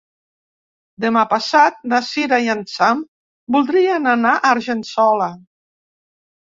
Demà passat na Cira i en Sam voldrien anar a Argençola.